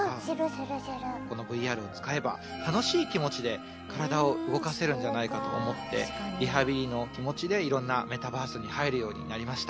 このＶＲを使えば楽しい気持ちで体を動かせるんじゃないかと思ってリハビリの気持ちで色んなメタバースに入るようになりました。